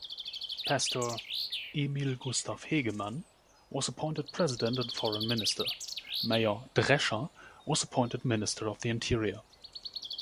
Pastor Emil Gustav Hegemann was appointed President and Foreign Minister, Mayor Drescher was appointed Minister of the Interior.